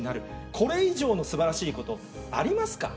これ以上のすばらしいことありますか？